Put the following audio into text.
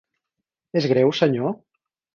És greu, senyor?